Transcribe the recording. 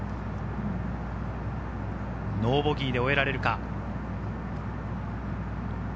ノーボギーで終えられるか。